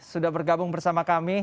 sudah bergabung bersama kami